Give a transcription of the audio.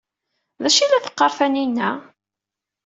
D acu ay la teqqar Taninna?